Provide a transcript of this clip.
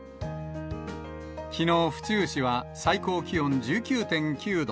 きのう、府中市は最高気温１９．９度。